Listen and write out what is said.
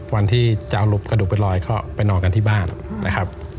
วันที่จะเอารูปกระดูกไปลอยก็ไปนอนกันที่บ้านนะครับ